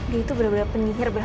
dia itu bener bener penyihir berat